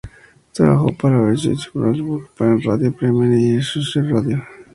Trabajó para Bayerischer Rundfunk, para Radio Bremen y para Schweizer Radio.